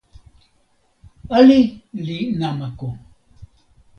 ali li namako!